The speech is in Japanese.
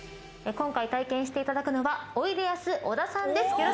今回体験していただくのはおいでやす小田さんです。